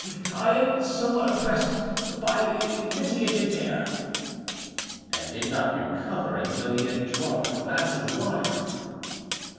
I am somewhat oppressed by the vitiated air;â and did not recover until he had drunk a glass of water.